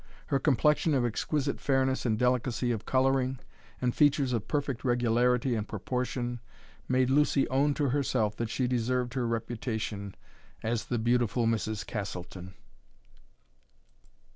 Her complexion of exquisite fairness and delicacy of coloring, and features of perfect regularity and proportion, made Lucy own to herself that she deserved her reputation as "the beautiful Mrs. Castleton."